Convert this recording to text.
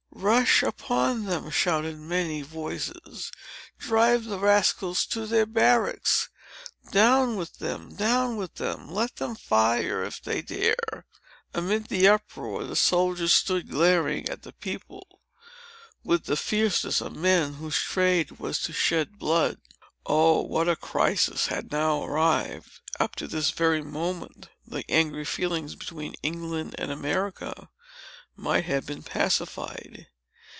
"Rush upon them!" shouted many voices. "Drive the rascals to their barracks! Down with them! Down with them! Let them fire, if they dare!" Amid the uproar, the soldiers stood glaring at the people, with the fierceness of men whose trade was to shed blood. Oh, what a crisis had now arrived! Up to this very moment, the angry feelings between England and America might have been pacified.